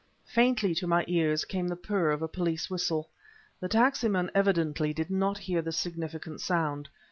Faintly to my ears came the purr of a police whistle. The taxi man evidently did not hear the significant sound.